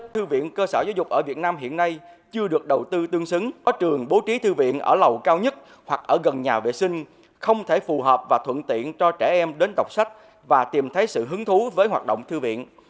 thư viện cơ sở giáo dục ở việt nam hiện nay chưa được đầu tư tương xứng ở trường bố trí thư viện ở lầu cao nhất hoặc ở gần nhà vệ sinh không thể phù hợp và thuận tiện cho trẻ em đến đọc sách và tìm thấy sự hứng thú với hoạt động thư viện